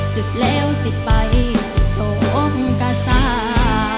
จุดเลวสิไปสิโตกาสา